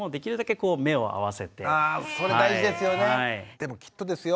でもきっとですよ